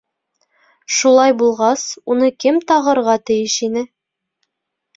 - Шулай булғас, уны кем тағырға тейеш ине?